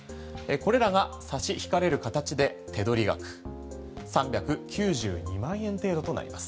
これらが差し引かれる形で手取り額３９２万円程度となります。